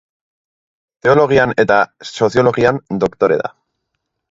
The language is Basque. Teologian eta Soziologian doktore da.